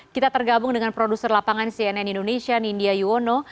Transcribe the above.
kita tergabung dengan produser lapangan cnn indonesia nindya yuwono